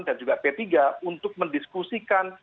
dan juga p tiga untuk mendiskusikan